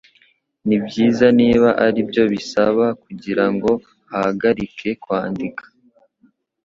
Nibyiza niba aribyo bisaba kugirango ahagarike kwandika